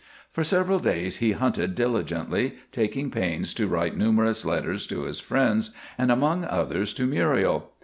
For several days he hunted diligently, taking pains to write numerous letters to his friends, and among others to Muriel.